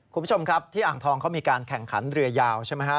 คุณผู้ชมครับที่อ่างทองเขามีการแข่งขันเรือยาวใช่ไหมฮะ